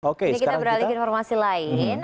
oke ini kita beralih ke informasi lain